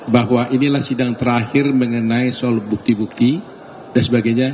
bahwa inilah sidang terakhir mengenai soal bukti bukti dan sebagainya